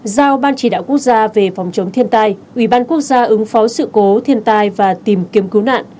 giao ban chỉ đạo quốc gia về phòng chống thiên tai ubnd ứng phó sự cố thiên tai và tìm kiếm cứu nạn